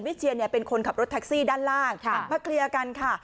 เชียร์เป็นคนขับรถแท็กซี่ด้านล่างมาเคลียร์กันค่ะ